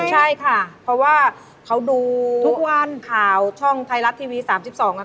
ใช่ค่ะเขาดูข่าวทุกวันกลางบนชนิงไทยรัตทีวีอัน๓๒